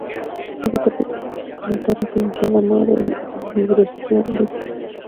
Cada capítulo cuenta con un párrafo inicial a modo de digresión lírica.